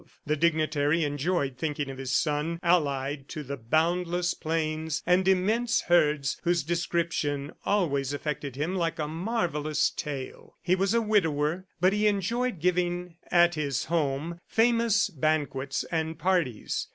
The dignitary enjoyed thinking of his son allied to the boundless plains and immense herds whose description always affected him like a marvellous tale. He was a widower, but he enjoyed giving at his home famous banquets and parties.